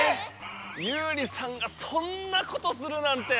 ユウリさんがそんなことするなんて。